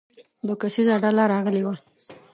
دوه کسیزه ډله راغلې وه.